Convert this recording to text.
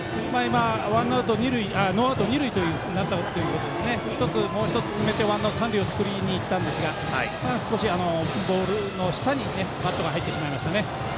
ノーアウト二塁になったということでもう１つ詰めて三塁を作りにいったんですが少しボールの下にバットが入ってしまいました。